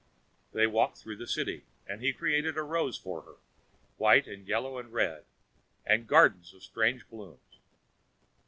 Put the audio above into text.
They walked through the city, and he created roses for her, white and yellow and red, and gardens of strange blossoms.